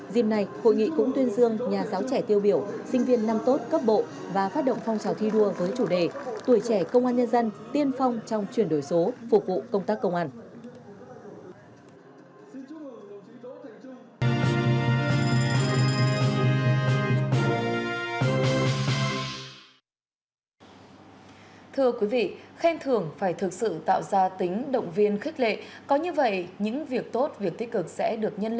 dịp này hội nghị cũng tuyên dương nhà giáo trẻ tiêu biểu sinh viên năm tốt cấp bộ và phát động phong trào thi đua với chủ đề tuổi trẻ công an nhân dân tiên phong trong chuyển đổi số phục vụ công tác công an